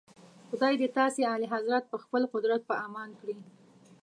خدای دې تاسي اعلیحضرت په خپل قدرت په امان کړي.